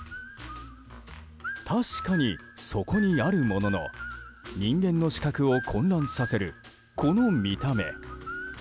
確かにそこにあるものの人間の視覚を混乱させるこの見た目。